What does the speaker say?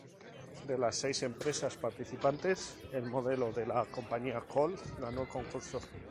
De las seis empresas participantes, el modelo de la compañía Colt ganó el concurso.